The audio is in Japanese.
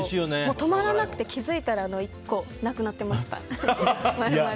止まらなくて、気付いたらなくなってました、丸々。